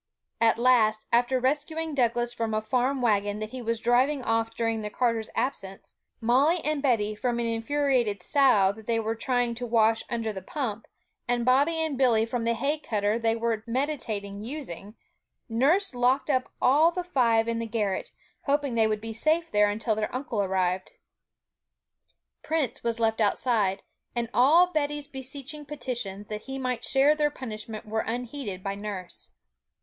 At last, after rescuing Douglas from a farm wagon that he was driving off during the carter's absence, Molly and Betty from an infuriated sow that they were trying to wash under the pump, and Bobby and Billy from a hay cutter they were meditating using, nurse locked up all the five in the garret, hoping they would be safe there until their uncle arrived. Prince was left outside; and all Betty's beseeching petitions that he might share their punishment were unheeded by nurse.